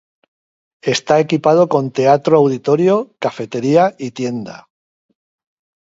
Está equipado con teatro auditorio, cafetería y tienda.